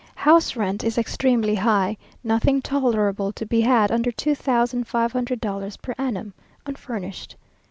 House rent is extremely high; nothing tolerable to be had under two thousand five hundred dollars per annum, unfurnished.